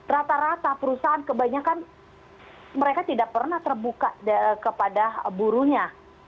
rata rata perusahaan kebanyakan mereka tidak pernah terbuka kepada buruhnya